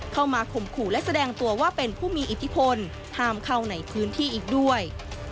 ข่มขู่และแสดงตัวว่าเป็นผู้มีอิทธิพลห้ามเข้าในพื้นที่อีกด้วย